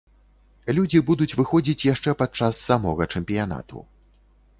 Людзі будуць выходзіць яшчэ пад час самога чэмпіянату.